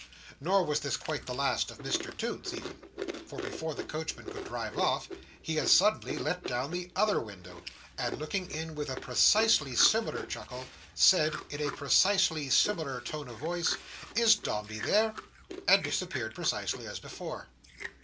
Nor was this quite the last of Mr Toots, even; for before the coachman could drive off, he as suddenly let down the other window, and looking in with a precisely similar chuckle, said in a precisely similar tone of voice, "Is Dombey there?" and disappeared precisely as before.